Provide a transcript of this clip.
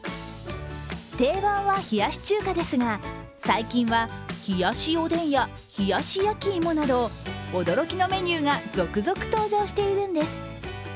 定番は冷やし中華ですが、冷やしおでんや、冷やし焼き芋など驚きのメニューが続々登場しているんです。